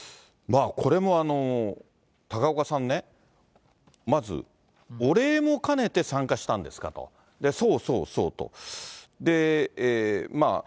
これも高岡さんね、まずお礼も兼ねて参加したんですかと、そうそうそうと。